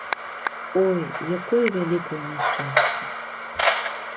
Ой, якое вялікае няшчасце!